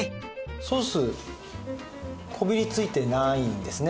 ソースこびりついてないんですね。